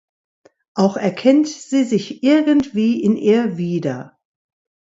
Auch erkennt sie sich irgendwie in ihr wieder.